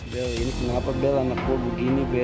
bel ini kenapa bel anakku begini bel